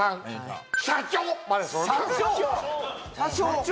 社長？